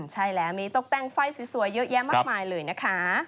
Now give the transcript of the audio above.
ใช่แล้วมีตกแต่งไฟสวยเยอะแยะมากมายเลยนะคะ